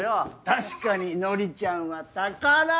確かにのりちゃんは宝だ。